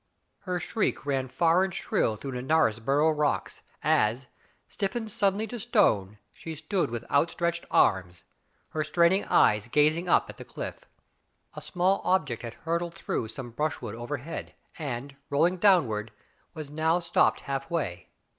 '' Her shriek rang far and shrill through the Knaresborough rocks, as, stiffened suddenly to stone, she stood with outstretched arms, her straining eyes gazing up at the cliff. A small object had hurtled through some brushwood over head, and, rolling downward, was now stopped half way.